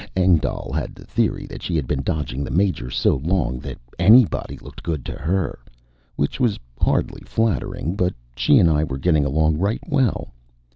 Engdahl had the theory that she had been dodging the Major so long that anybody looked good to her, which was hardly flattering. But she and I were getting along right well.